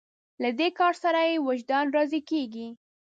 له دې کار سره یې وجدان راضي کېږي.